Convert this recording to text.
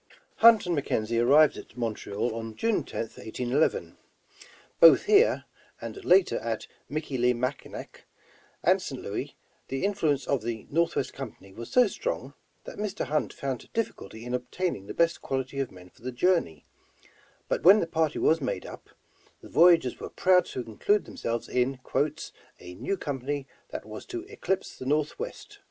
Hunt and McKenzie arrived at Montreal on June 10th, 1811. Both here, and later at Michilimackinac and St. Louis, the influence of the Northwest Company was so strong, that Mr. Hunt found difficulty in obtain ing the best quality of men for the journey, but when the party was made up, the voyageurs were proud t6 include themselves in *'a new company that was to eclipse the Northwest.''